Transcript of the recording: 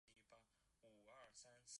布尔拉斯蒂克。